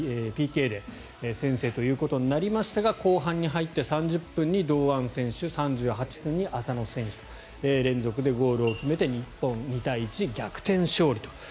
ＰＫで先制ということになりましたが後半に入って３０分に堂安選手３８分に浅野選手と連続でゴールを決めて日本、２対１で逆転勝利と。